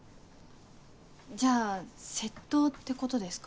じゃあ窃盗ってことですか？